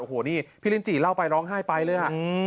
โอ้โหนี่พี่ลินจิเล่าไปร้องไห้ไปเลย